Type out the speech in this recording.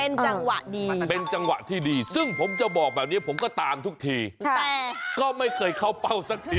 เป็นจังหวะดีเป็นจังหวะที่ดีซึ่งผมจะบอกแบบนี้ผมก็ตามทุกทีแต่ก็ไม่เคยเข้าเป้าสักที